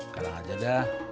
sekarang aja dah